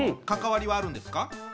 関わりはあるんですか？